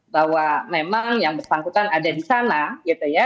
bahwa memang yang bersangkutan ada di sana gitu ya